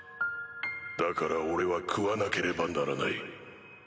だから俺は食わなければならない。